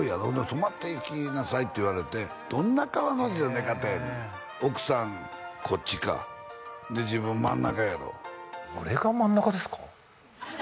泊まっていきなさいって言われてどんな川の字の寝方やねん奥さんこっちかで自分真ん中やろ俺が真ん中ですか？